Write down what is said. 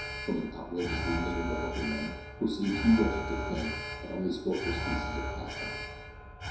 from an outrageously miserable looking man, who seemed too wretched to think, and only spoke for a species of pastime.)